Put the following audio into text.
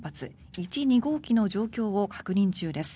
１、２号機の様子を確認中です。